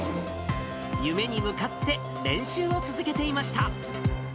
夢に向かって、練習を続けていました。